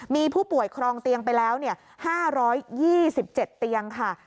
มีผู้ป่วยครองเตียงไปแล้ว๕๒๗เตียงค่ะ